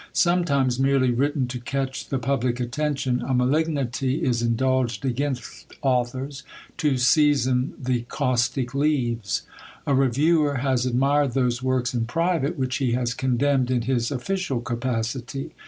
Sometimes merely written to catch the public attention, a malignity is indulged against authors, to season the caustic leaves. A reviewer has admired those works in private, which he has condemned in his official capacity.